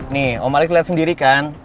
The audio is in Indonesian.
nih om alex liat sendiri kan